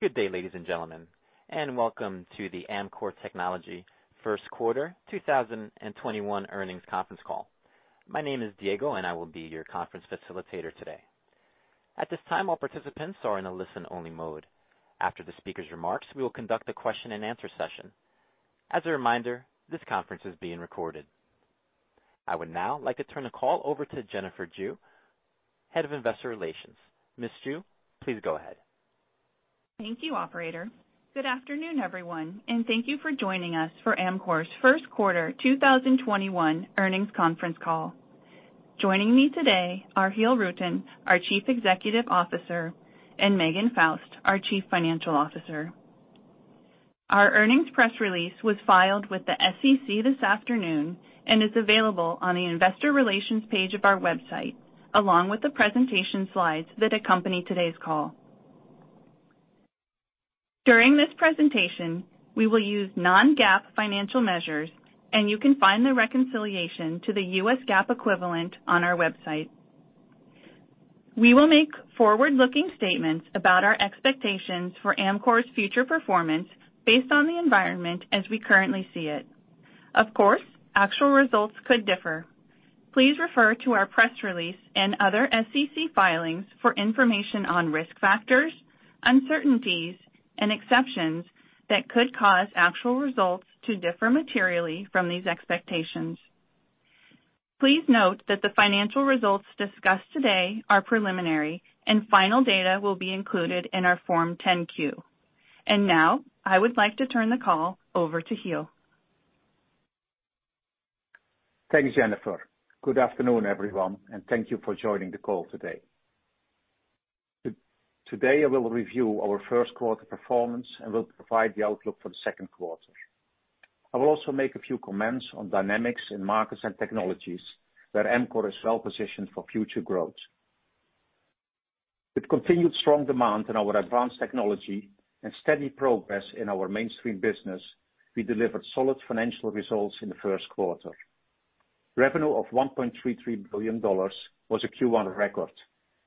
Good day, ladies and gentlemen, and welcome to the Amkor Technology first quarter 2021 earnings conference call. My name is Diego, and I will be your conference facilitator today. At this time, all participants are in a listen-only mode. After the speaker's remarks, we will conduct a question-and-answer session. As a reminder, this conference is being recorded. I would now like to turn the call over to Jennifer Jue, Head of Investor Relations. Ms. Jue, please go ahead. Thank you, operator. Good afternoon, everyone, and thank you for joining us for Amkor's first quarter 2021 earnings conference call. Joining me today are Giel Rutten, our Chief Executive Officer, and Megan Faust, our Chief Financial Officer. Our earnings press release was filed with the SEC this afternoon, and is available on the investor relations page of our website, along with the presentation slides that accompany today's call. During this presentation, we will use non-GAAP financial measures, and you can find the reconciliation to the U.S. GAAP equivalent on our website. We will make forward-looking statements about our expectations for Amkor's future performance based on the environment as we currently see it. Of course, actual results could differ. Please refer to our press release and other SEC filings for information on risk factors, uncertainties, and exceptions that could cause actual results to differ materially from these expectations. Please note that the financial results discussed today are preliminary, and final data will be included in our Form 10-Q. Now, I would like to turn the call over to Giel. Thanks, Jennifer. Good afternoon, everyone, and thank you for joining the call today. Today, I will review our first quarter performance and will provide the outlook for the second quarter. I will also make a few comments on dynamics in markets and technologies where Amkor is well positioned for future growth. With continued strong demand in our advanced technology and steady progress in our mainstream business, we delivered solid financial results in the first quarter. Revenue of $1.33 billion was a Q1 record,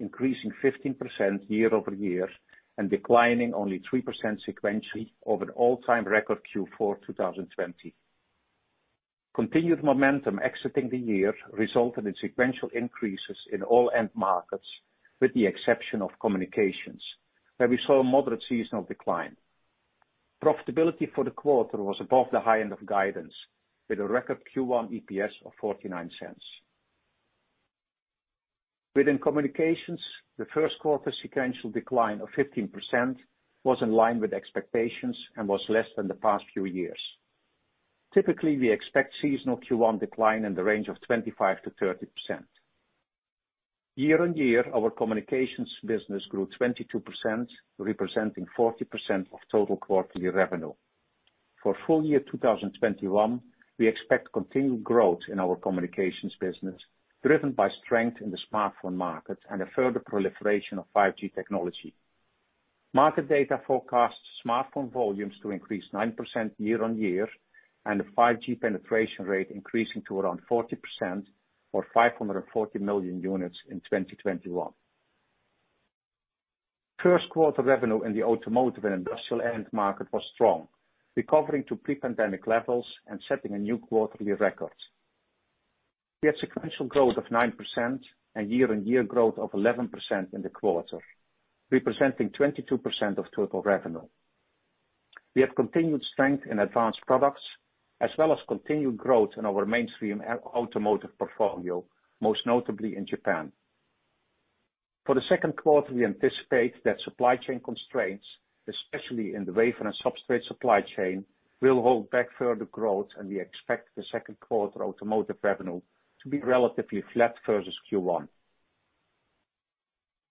increasing 15% year-over-year and declining only 3% sequentially over the all-time record Q4 2020. Continued momentum exiting the year resulted in sequential increases in all end markets, with the exception of communications, where we saw a moderate seasonal decline. Profitability for the quarter was above the high end of guidance, with a record Q1 EPS of $0.49. Within communications, the first quarter sequential decline of 15% was in line with expectations and was less than the past few years. Typically, we expect seasonal Q1 decline in the range of 25%-30%. Year-on-year, our communications business grew 22%, representing 40% of total quarterly revenue. For full year 2021, we expect continued growth in our communications business, driven by strength in the smartphone market and a further proliferation of 5G technology. Market data forecasts smartphone volumes to increase 9% year-on-year, and the 5G penetration rate increasing to around 40%, or 540 million units in 2021. First quarter revenue in the automotive and industrial end market was strong, recovering to pre-pandemic levels and setting a new quarterly record. We had sequential growth of 9% and year-on-year growth of 11% in the quarter, representing 22% of total revenue. We have continued strength in advanced products, as well as continued growth in our mainstream and automotive portfolio, most notably in Japan. For the second quarter, we anticipate that supply chain constraints, especially in the wafer and substrate supply chain, will hold back further growth, and we expect the second quarter automotive revenue to be relatively flat versus Q1.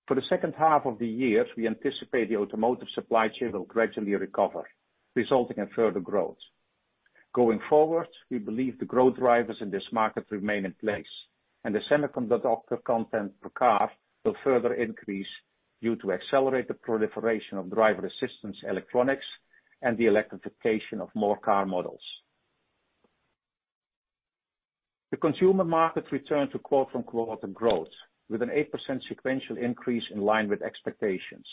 For the second half of the year, we anticipate the automotive supply chain will gradually recover, resulting in further growth. Going forward, we believe the growth drivers in this market remain in place, and the semiconductor content per car will further increase due to accelerated proliferation of driver assistance electronics and the electrification of more car models. The consumer market returned to quarter-on-quarter growth, with an 8% sequential increase in line with expectations.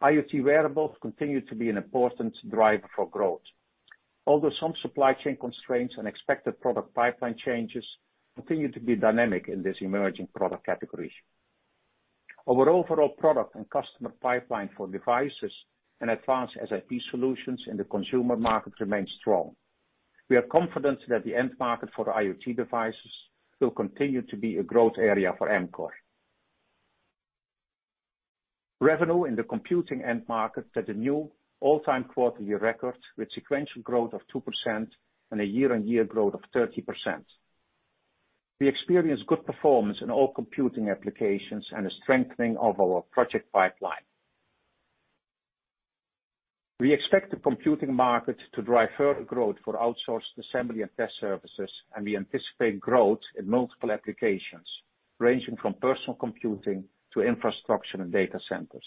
IoT wearables continue to be an important driver for growth. Although some supply chain constraints and expected product pipeline changes continue to be dynamic in this emerging product category. Our overall product and customer pipeline for devices and advanced SiP solutions in the consumer market remains strong. We are confident that the end market for IoT devices will continue to be a growth area for Amkor. Revenue in the computing end market set a new all-time quarterly record, with sequential growth of 2% and a year-on-year growth of 30%. We experienced good performance in all computing applications and a strengthening of our project pipeline. We expect the computing market to drive further growth for outsourced assembly and test services, and we anticipate growth in multiple applications, ranging from personal computing to infrastructure and data centers.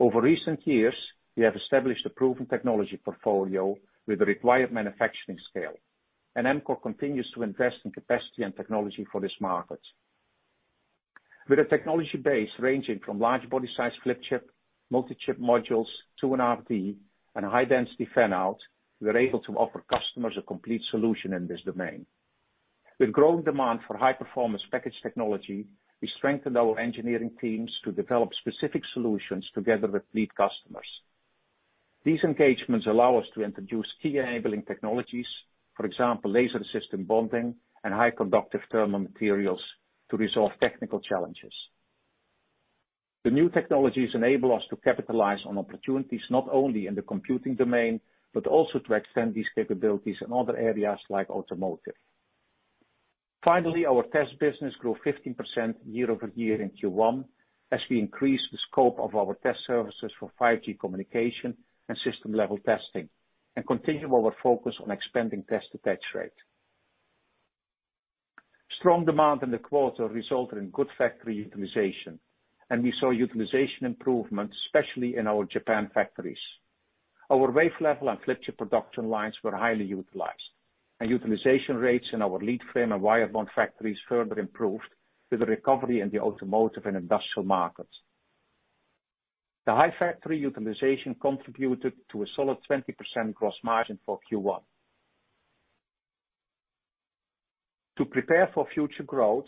Over recent years, we have established a proven technology portfolio with the required manufacturing scale. Amkor continues to invest in capacity and technology for this market. With a technology base ranging from large body size flip chip, multi-chip modules to an RDL and high-density fan-out, we are able to offer customers a complete solution in this domain. Growing demand for high-performance package technology, we strengthened our engineering teams to develop specific solutions together with lead customers. These engagements allow us to introduce key enabling technologies, for example, laser assisted-bonding and high conductive thermal materials to resolve technical challenges. The new technologies enable us to capitalize on opportunities not only in the computing domain, but also to extend these capabilities in other areas like automotive. Finally, our test business grew 15% year-over-year in Q1 as we increased the scope of our test services for 5G communication and system-level testing, and continued our focus on expanding test attach rate. Strong demand in the quarter resulted in good factory utilization, and we saw utilization improvements, especially in our Japan factories. Our wafer-level and flip-chip production lines were highly utilized. Utilization rates in our leadframe and wire bond factories further improved with the recovery in the automotive and industrial markets. The high factory utilization contributed to a solid 20% gross margin for Q1. To prepare for future growth,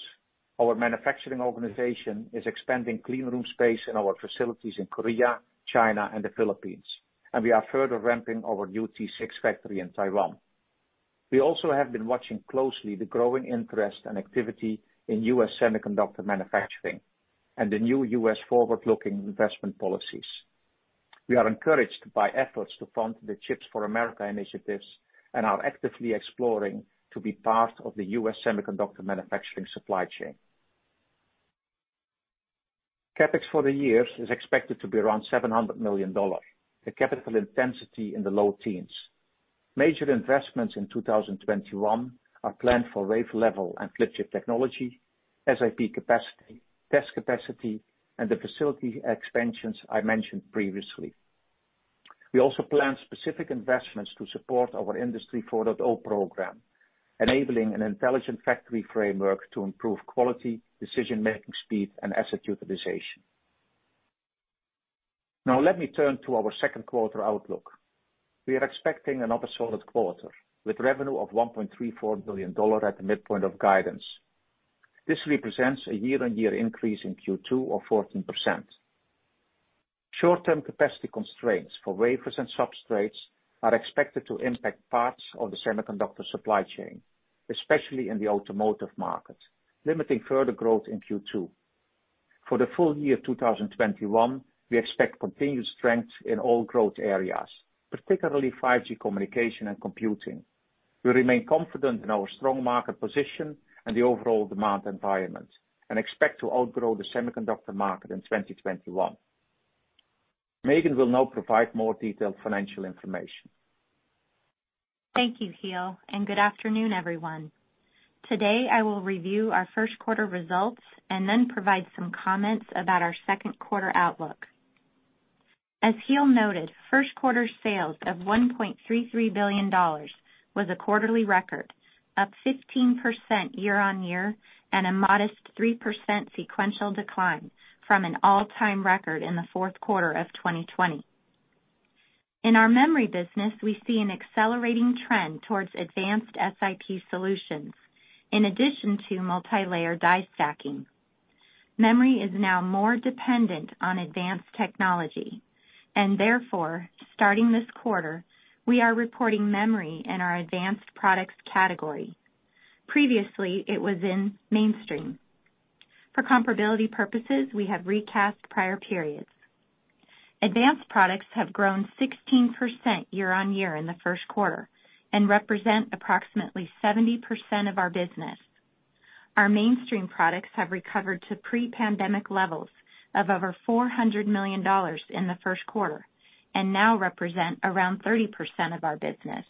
our manufacturing organization is expanding clean room space in our facilities in Korea, China, and the Philippines, and we are further ramping our new T6 factory in Taiwan. We also have been watching closely the growing interest and activity in U.S. semiconductor manufacturing and the new U.S. forward-looking investment policies. We are encouraged by efforts to fund the CHIPS for America initiatives and are actively exploring to be part of the U.S. semiconductor manufacturing supply chain. CapEx for the years is expected to be around $700 million. The capital intensity in the low teens. Major investments in 2021 are planned for wafer-level and flip-chip technology, SiP capacity, test capacity, and the facility expansions I mentioned previously. We also plan specific investments to support our Industry 4.0 program, enabling an intelligent factory framework to improve quality, decision-making speed, and asset utilization. Let me turn to our second quarter outlook. We are expecting another solid quarter, with revenue of $1.34 billion at the midpoint of guidance. This represents a year-over-year increase in Q2 of 14%. Short-term capacity constraints for wafers and substrates are expected to impact parts of the semiconductor supply chain, especially in the automotive market, limiting further growth in Q2. For the full year 2021, we expect continued strength in all growth areas, particularly 5G communication and computing. We remain confident in our strong market position and the overall demand environment, and expect to outgrow the semiconductor market in 2021. Megan will now provide more detailed financial information. Thank you, Giel. Good afternoon, everyone. Today, I will review our first quarter results and then provide some comments about our second quarter outlook. As Giel noted, first quarter sales of $1.33 billion was a quarterly record, up 15% year-on-year and a modest 3% sequential decline from an all-time record in the fourth quarter of 2020. In our memory business, we see an accelerating trend towards advanced SiP solutions, in addition to multilayer die stacking. Memory is now more dependent on advanced technology. Therefore, starting this quarter, we are reporting memory in our advanced products category. Previously, it was in mainstream. For comparability purposes, we have recast prior periods. Advanced products have grown 16% year-on-year in the first quarter and represent approximately 70% of our business. Our mainstream products have recovered to pre-pandemic levels of over $400 million in the first quarter and now represent around 30% of our business.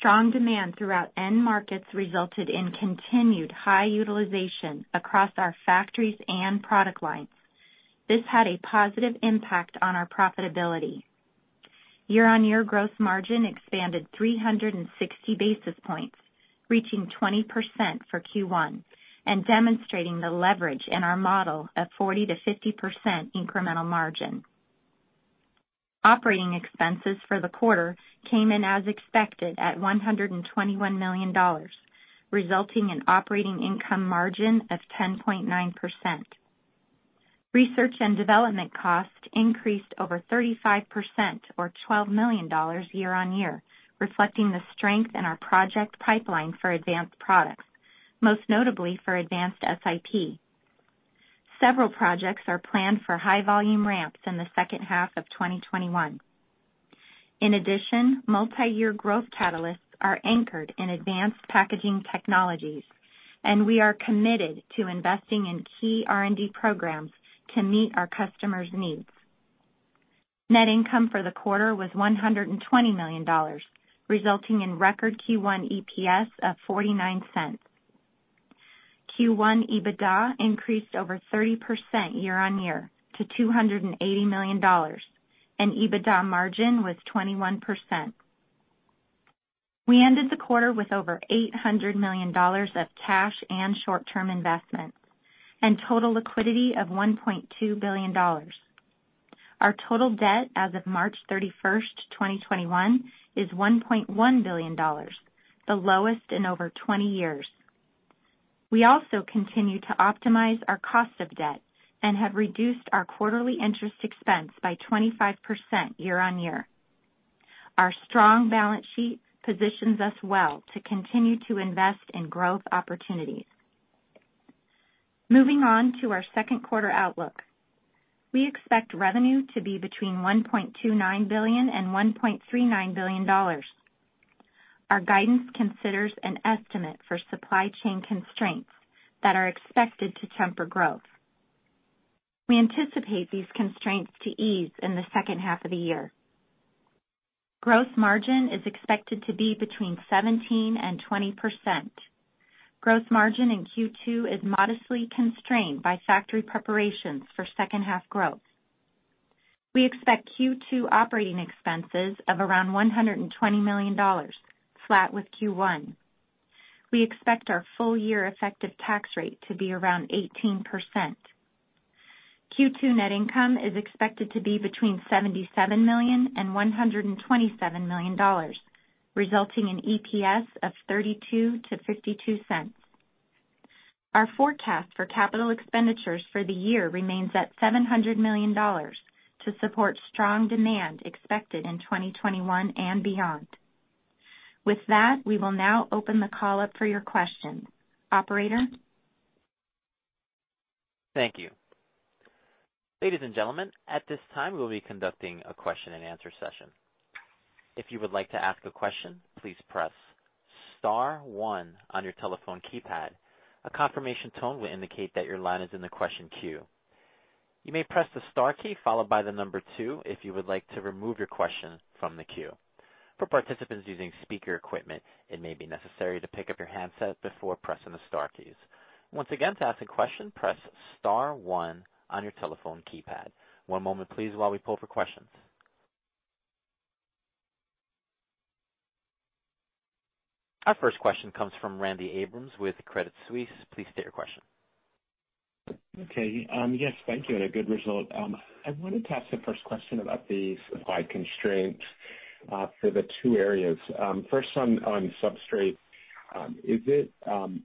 Strong demand throughout end markets resulted in continued high utilization across our factories and product lines. This had a positive impact on our profitability. Year-on-year gross margin expanded 360 basis points, reaching 20% for Q1, and demonstrating the leverage in our model of 40%-50% incremental margin. Operating expenses for the quarter came in as expected at $121 million, resulting in operating income margin of 10.9%. Research and development costs increased over 35%, or $12 million, year-on-year, reflecting the strength in our project pipeline for advanced products, most notably for advanced SiP. Several projects are planned for high volume ramps in the second half of 2021. In addition, multiyear growth catalysts are anchored in advanced packaging technologies, and we are committed to investing in key R&D programs to meet our customers' needs. Net income for the quarter was $120 million, resulting in record Q1 EPS of $0.49. Q1 EBITDA increased over 30% year-on-year to $280 million, and EBITDA margin was 21%. We ended the quarter with over $800 million of cash and short-term investments and total liquidity of $1.2 billion. Our total debt as of March 31st, 2021 is $1.1 billion, the lowest in over 20 years. We also continue to optimize our cost of debt and have reduced our quarterly interest expense by 25% year-on-year. Our strong balance sheet positions us well to continue to invest in growth opportunities. Moving on to our second quarter outlook. We expect revenue to be between $1.29 billion and $1.39 billion. Our guidance considers an estimate for supply chain constraints that are expected to temper growth. We anticipate these constraints to ease in the second half of the year. Gross margin is expected to be between 17% and 20%. Gross margin in Q2 is modestly constrained by factory preparations for second half growth. We expect Q2 operating expenses of around $120 million, flat with Q1. We expect our full-year effective tax rate to be around 18%. Q2 net income is expected to be between $77 million and $127 million, resulting in EPS of $0.32-$0.52. Our forecast for capital expenditures for the year remains at $700 million to support strong demand expected in 2021 and beyond. With that, we will now open the call up for your questions. Operator? Thank you. Ladies and gentlemen, at this time, we will be conducting a question-and-answer session. If you would like to ask a question, please press star one on your telephone keypad. A confirmation tone will indicate that your line is in the question queue. You may press the star key followed by the number two if you would like to remove your question from the queue. For participants using speaker equipment, it may be necessary to pick up your handset before pressing the star keys. Once again, to ask a question, press star one on your telephone keypad. One moment please while we pull for questions. Our first question comes from Randy Abrams with Credit Suisse. Please state your question. Okay. Yes, thank you, and a good result. I wanted to ask the first question about the supply constraints, for the two areas. First on substrate, is it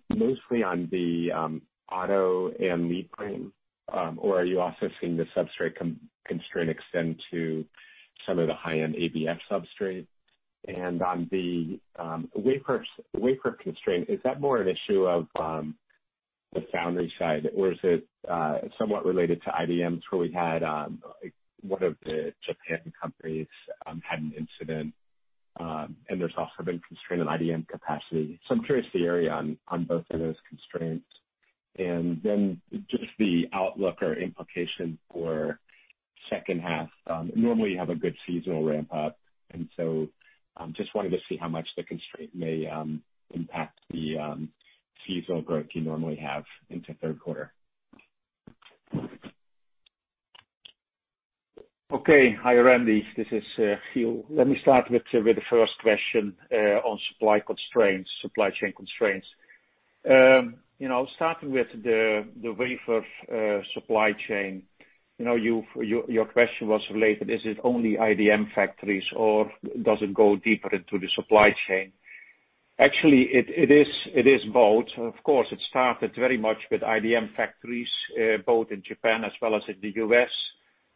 mostly on the auto and leadframe, or are you also seeing the substrate constraint extend to some of the high-end ABF substrates? On the wafer constraint, is that more an issue of the foundry side, or is it somewhat related to IDMs, where we had one of the Japan companies had an incident, and there's also been constraint on IDM capacity. I'm curious the area on both of those constraints. Just the outlook or implication for second half. Normally, you have a good seasonal ramp-up, and so just wanted to see how much the constraint may impact the seasonal growth you normally have into third quarter. Okay. Hi, Randy. This is Giel. Let me start with the first question on supply chain constraints. Starting with the wafer supply chain. Your question was related, is it only IDM factories or does it go deeper into the supply chain? It is both. Of course, it started very much with IDM factories, both in Japan as well as in the U.S.,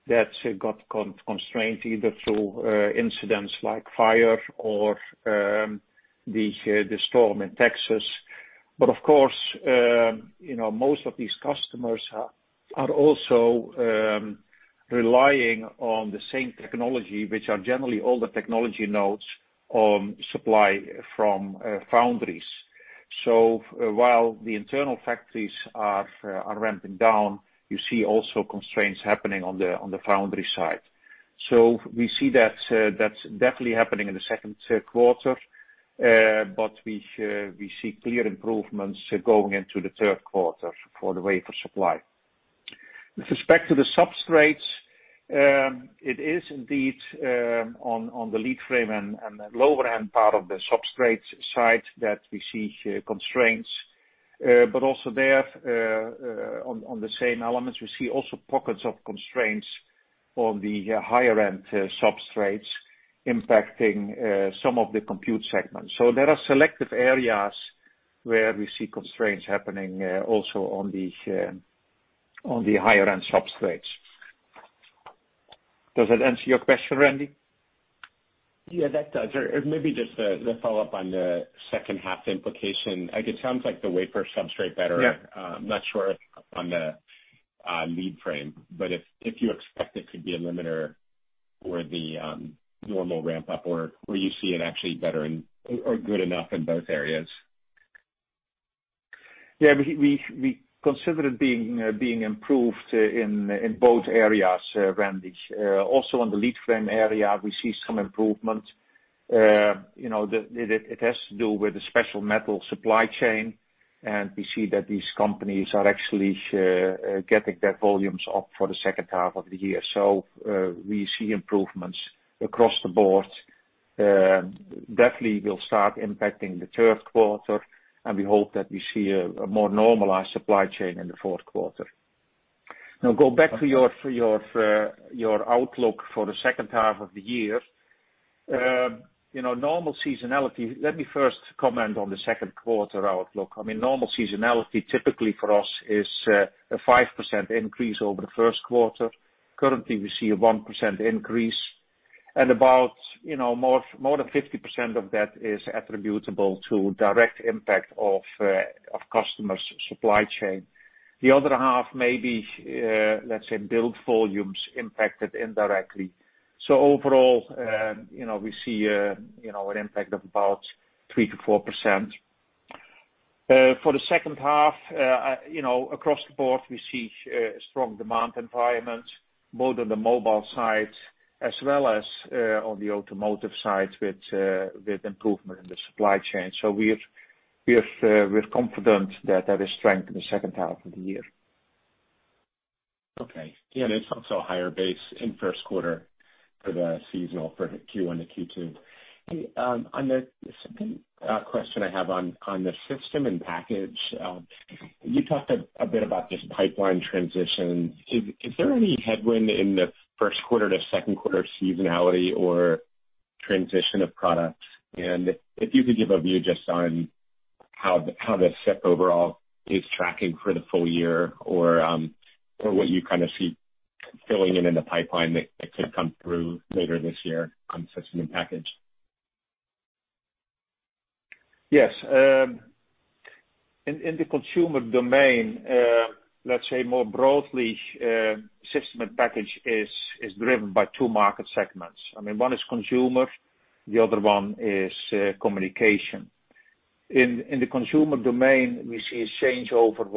that got constraint either through incidents like fire or the storm in Texas. Of course, most of these customers are also relying on the same technology, which are generally all the technology nodes on supply from foundries. While the internal factories are ramping down, you see also constraints happening on the foundry side. We see that's definitely happening in the second quarter, but we see clear improvements going into the third quarter for the wafer supply. With respect to the substrates, it is indeed on the leadframe and the lower-end part of the substrate side that we see constraints. Also there, on the same elements, we see also pockets of constraints on the higher-end substrates impacting some of the compute segments. There are selective areas where we see constraints happening also on the higher-end substrates. Does that answer your question, Randy? Yeah, that does. Maybe just the follow-up on the second half implication. It sounds like the wafer substrate better— Yeah. I'm not sure on the leadframe, but if you expect it could be a limiter for the normal ramp-up, or you see it actually better or good enough in both areas. Yeah. We consider it being improved in both areas, Randy. On the leadframe area, we see some improvement. It has to do with the special metal supply chain, and we see that these companies are actually getting their volumes up for the second half of the year. We see improvements across the board, definitely will start impacting the third quarter, and we hope that we see a more normalized supply chain in the fourth quarter. Go back to your outlook for the second half of the year. Normal seasonality, let me first comment on the second quarter outlook. Normal seasonality typically for us is a 5% increase over the first quarter. Currently, we see a 1% increase, and about more than 50% of that is attributable to direct impact of customers' supply chain. The other half may be, let's say, build volumes impacted indirectly. Overall, we see an impact of about 3%-4%. For the second half, across the board, we see a strong demand environment, both on the mobile side as well as on the automotive side with improvement in the supply chain. We're confident that there is strength in the second half of the year. Okay. It's also a higher base in Q1 for the seasonal, for the Q1 to Q2. On the second question I have on the System in Package, you talked a bit about this pipeline transition. Is there any headwind in the first quarter to second quarter seasonality or transition of products? If you could give a view just on how the SiP overall is tracking for the full year or what you kind of see filling in in the pipeline that could come through later this year on System in Package. Yes. In the consumer domain, let's say more broadly, System in Package is driven by two market segments. One is consumer, the other one is communication. In the consumer domain, we see a changeover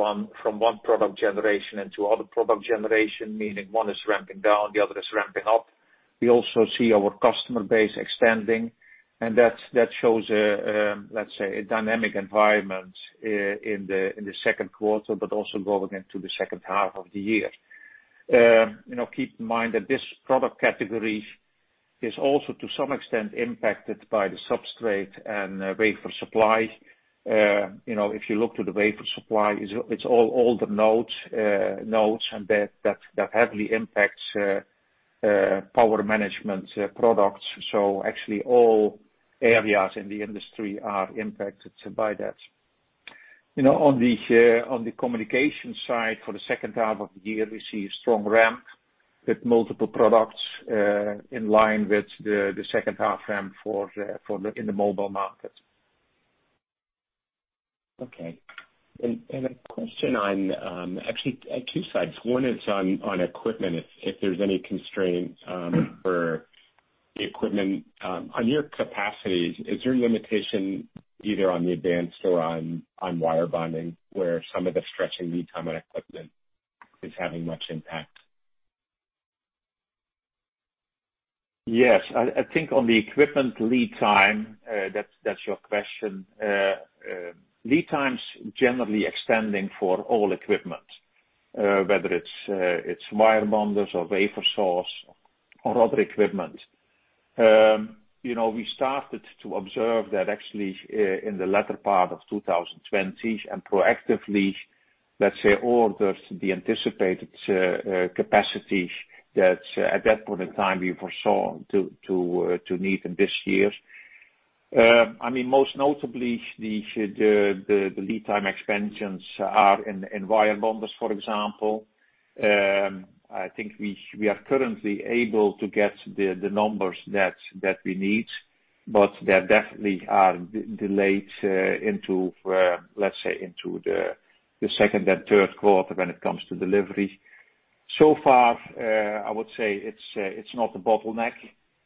from one product generation into other product generation, meaning one is ramping down, the other is ramping up. We also see our customer base extending, and that shows, let's say, a dynamic environment in the second quarter, but also going into the second half of the year. Keep in mind that this product category is also, to some extent, impacted by the substrate and wafer supply. If you look to the wafer supply, it's all the nodes that heavily impacts power management products. Actually all areas in the industry are impacted by that. On the communication side for the second half of the year, we see a strong ramp with multiple products in line with the second half ramp in the mobile market. Okay. A question on actually two sides. One is on equipment, if there's any constraints for the equipment. On your capacities, is there a limitation either on the advanced or on wire bonding, where some of the stretching lead time on equipment is having much impact? Yes. I think on the equipment lead time, that's your question. Lead times generally extending for all equipment, whether it's wire bonders or wafer saws or other equipment. We started to observe that actually in the latter part of 2020 and proactively, let's say, ordered the anticipated capacity that at that point in time we foresaw to need in this year. Most notably, the lead time expansions are in wire bonders, for example. I think we are currently able to get the numbers that we need, but they definitely are delayed, let's say, into the second and third quarter when it comes to delivery. So far, I would say it's not a bottleneck.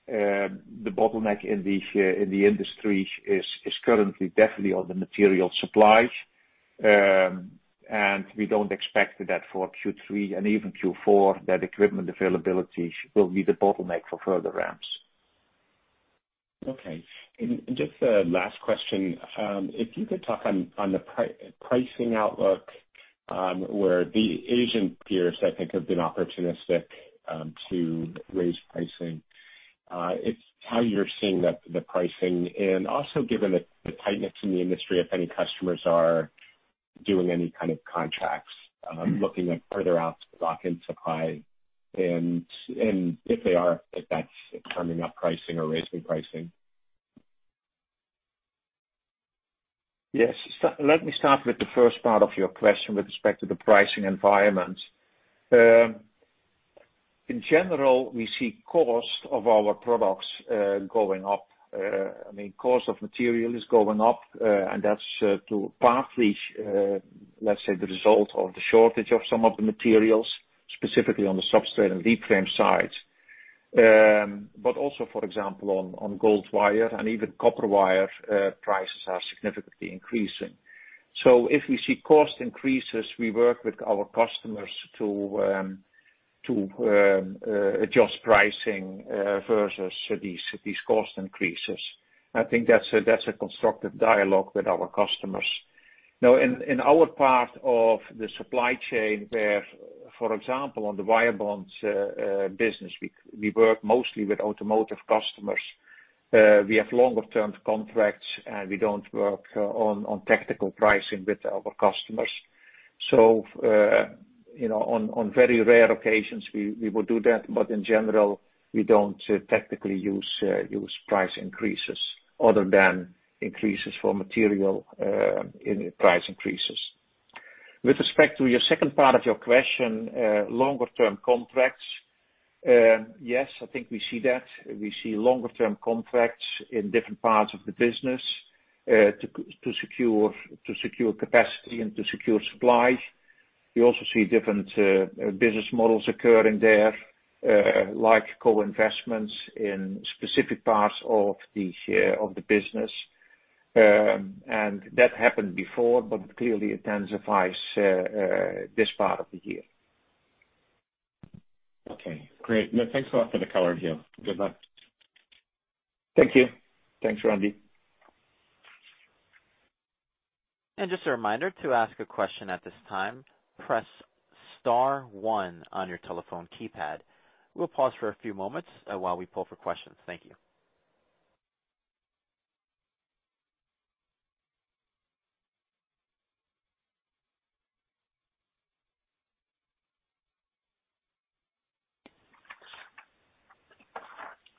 The bottleneck in the industry is currently definitely on the material supply. We don't expect that for Q3 and even Q4, that equipment availability will be the bottleneck for further ramps. Okay. Just a last question. If you could talk on the pricing outlook, where the Asian peers, I think, have been opportunistic to raise pricing. It's how you're seeing the pricing. Also given the tightness in the industry, if any customers are doing any kind of contracts, looking at further out to lock in supply. If they are, if that's firming up pricing or raising pricing. Yes. Let me start with the first part of your question with respect to the pricing environment. In general, we see cost of our products going up. Cost of material is going up, and that's to partly, let's say, the result of the shortage of some of the materials, specifically on the substrate and leadframe side. Also, for example, on gold wire and even copper wire, prices are significantly increasing. If we see cost increases, we work with our customers to adjust pricing versus these cost increases. I think that's a constructive dialogue with our customers. Now, in our part of the supply chain, where, for example, on the wire bonds business, we work mostly with automotive customers. We have longer-term contracts, and we don't work on tactical pricing with our customers. On very rare occasions we will do that. In general, we don't tactically use price increases other than increases for material in price increases. With respect to your second part of your question, longer-term contracts, yes, I think we see that. We see longer-term contracts in different parts of the business, to secure capacity and to secure supply. We also see different business models occurring there, like co-investments in specific parts of the business. That happened before, but clearly intensifies this part of the year. Okay, great. No, thanks a lot for the color, Giel. Good luck. Thank you. Thanks, Randy. Just a reminder, to ask a question at this time, press star one on your telephone keypad. We'll pause for a few moments while we pull for questions. Thank you.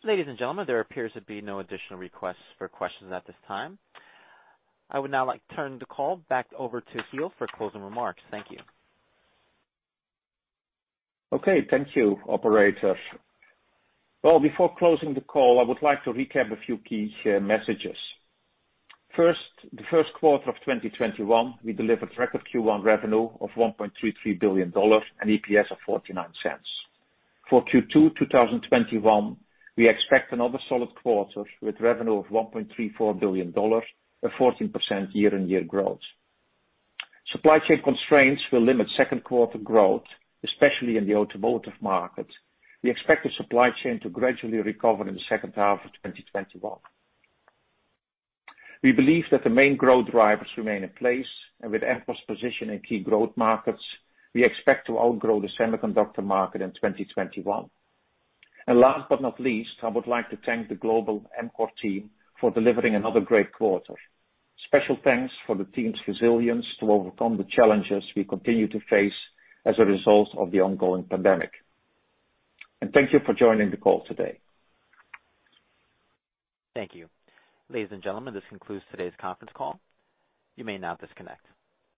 Ladies and gentlemen, there appears to be no additional requests for questions at this time. I would now like to turn the call back over to Giel for closing remarks. Thank you. Okay. Thank you, operator. Well, before closing the call, I would like to recap a few key messages. First, the first quarter of 2021, we delivered record Q1 revenue of $1.33 billion and EPS of $0.49. For Q2 2021, we expect another solid quarter with revenue of $1.34 billion, a 14% year-on-year growth. Supply chain constraints will limit second quarter growth, especially in the automotive market. We expect the supply chain to gradually recover in the second half of 2021. We believe that the main growth drivers remain in place. With Amkor's position in key growth markets, we expect to outgrow the semiconductor market in 2021. Last but not least, I would like to thank the global Amkor team for delivering another great quarter. Special thanks for the team's resilience to overcome the challenges we continue to face as a result of the ongoing pandemic. Thank you for joining the call today. Thank you. Ladies and gentlemen, this concludes today's conference call. You may now disconnect.